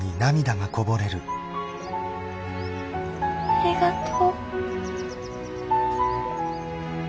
ありがとう。